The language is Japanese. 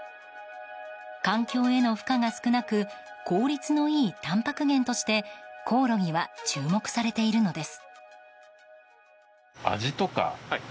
環境への負荷が少なく効率のいいたんぱく源としてコオロギは注目されているのです。